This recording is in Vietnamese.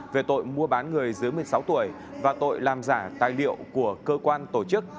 về tội mua bán người dưới một mươi sáu tuổi và tội làm giả tài liệu của cơ quan tổ chức